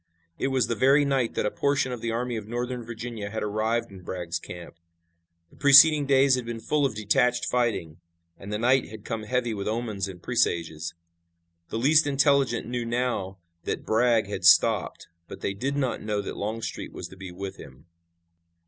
It was the very night that a portion of the Army of Northern Virginia had arrived in Bragg's camp. The preceding days had been full of detached fighting, and the night had come heavy with omens and presages. The least intelligent knew now that Bragg had stopped, but they did not know that Longstreet was to be with him.